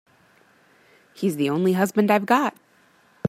He's the only husband I've got.